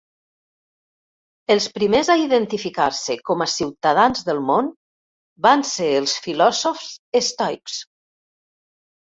Els primers a identificar-se com a ciutadans del món van ser els filòsofs estoics.